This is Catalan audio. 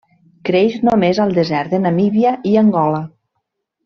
Creix només al desert de Namíbia i Angola.